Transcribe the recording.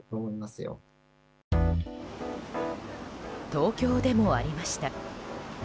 東京でもありました。